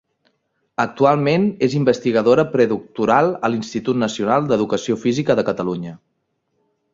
Actualment és investigadora predoctoral a l'Institut Nacional d'Educació Física de Catalunya.